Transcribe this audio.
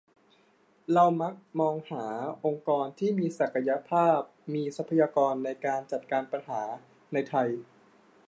เรามักมองหาองค์กรที่มีศักยภาพมีทรัพยากรในการจัดการปัญหา ในไทย